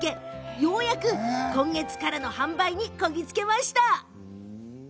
ようやく今月からの販売にこぎつけました。